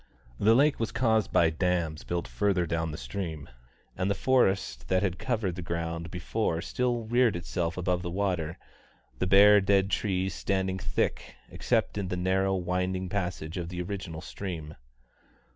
The lake was caused by dams built farther down the stream, and the forest that had covered the ground before still reared itself above the water, the bare dead trees standing thick, except in the narrow, winding passage of the original stream.